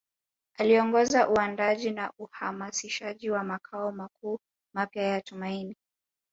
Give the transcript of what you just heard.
Aliongoza uandaaji na uhamasishaji wa makao makuu mapya ya Tumaini